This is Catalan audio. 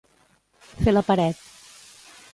Fer la paret.